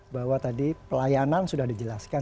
bahwa tadi pelayanan sudah dijelaskan